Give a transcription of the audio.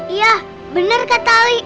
iya benar kak tali